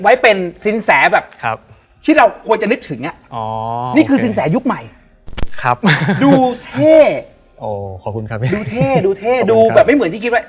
ไว้เป็นสินแสแบบที่เราควรจะนึกถึงนี่คือสินแสยุคใหม่ดูเท่ดูเท่ดูแบบไม่เหมือนที่คิดว่า